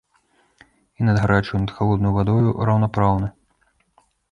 І над гарачаю і над халоднаю вадою раўнапраўны.